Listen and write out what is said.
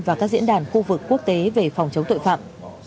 và các diễn đàn khu vực quốc tế về phòng chống tội phạm